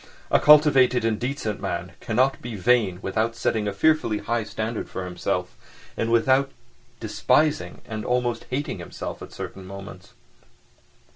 A cultivated and decent man cannot be vain without setting a fearfully high standard for himself, and without despising and almost hating himself at certain moments.